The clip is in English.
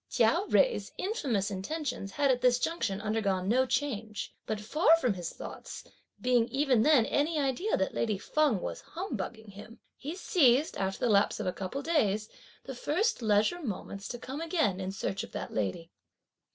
Chia Jui's infamous intentions had at this junction undergone no change; but far from his thoughts being even then any idea that lady Feng was humbugging him, he seized, after the lapse of a couple of days, the first leisure moments to come again in search of that lady.